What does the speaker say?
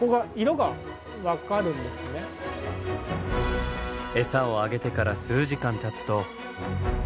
餌をあげてから数時間たつと。